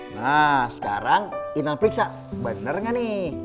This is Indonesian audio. nah sekarang inan periksa bener gak nih